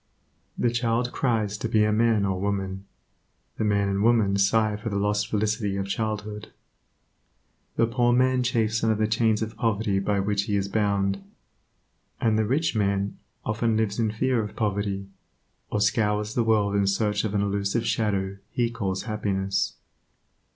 The child cries to be a man or woman; the man and woman sigh for the lost felicity of childhood. The poor man chafes under the chains of poverty by which he is bound, and the rich man often lives in fear of poverty, or scours the world in search of an elusive shadow he calls happiness.